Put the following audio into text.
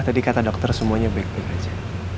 tadi kata dokter semuanya baik baik saja